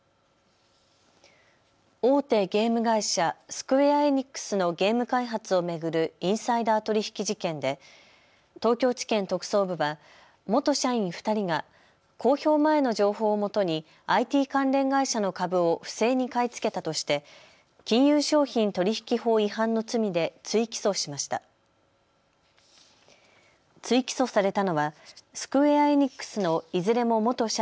大手ゲーム会社、スクウェア・エニックスのゲーム開発を巡るインサイダー取引事件で東京地検特捜部は元社員２人が公表前の情報をもとにＩＴ関連会社の株を不正に買い付けたとして金融商品取引法違反の罪で追起訴しました。